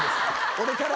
俺から。